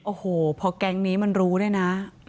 โอ้โหพอแก๊งนี้มันรู้ด้วยนะ